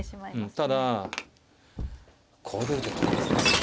ただこう出る手があるんですね。